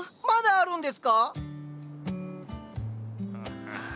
まだあるんですか